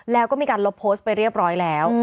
แล้วก็มีการลบโพสต์ไปเรียบร้อยแล้ว